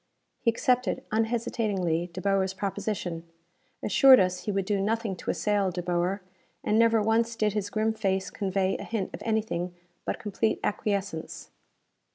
He accepted, unhesitatingly, De Boer's proposition: assured us he would do nothing to assail De Boer; and never once did his grim face convey a hint of anything but complete acquiescence.